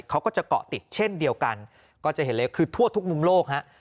เขาก็จะเกาะติดเช่นเดียวกันก็จะเห็นเลยคือทั่วทุกมุมโลกฮะ